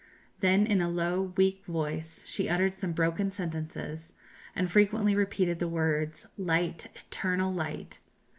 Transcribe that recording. Then in a low weak voice she uttered some broken sentences, and frequently repeated the words, "Light, eternal light!"